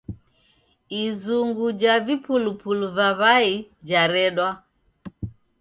Izungu ja vipulupulu va w'ai jaredwa.